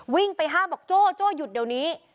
วิ่งไปห้ามบอกโจ้โจ้หยุดเดี๋ยวนี้